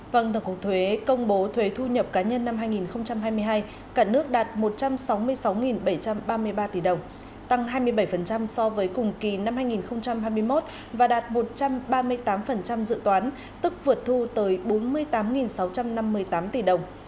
vâng tổng cục thuế công bố thuế thu nhập cá nhân năm hai nghìn hai mươi hai cả nước đạt một trăm sáu mươi sáu bảy trăm ba mươi ba tỷ đồng tăng hai mươi bảy so với cùng kỳ năm hai nghìn hai mươi một và đạt một trăm ba mươi tám dự toán tức vượt thu tới bốn mươi tám sáu trăm năm mươi tám tỷ đồng